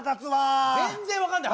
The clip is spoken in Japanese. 全然分かんない。